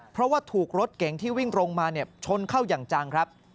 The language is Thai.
เพราะว่าถูกรถเก๋งที่วิ่งตรงมาชนเข้าอย่างจังครับ